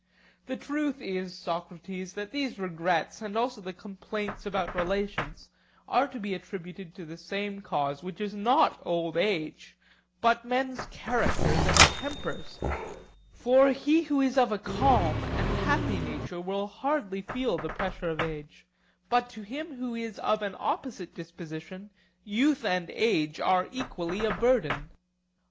The truth is, Socrates, that these regrets, and also the complaints about relations, are to be attributed to the same cause, which is not old age, but men's characters and tempers; for he who is of a calm and happy nature will hardly feel the pressure of age, but to him who is of an opposite disposition youth and age are equally a burden.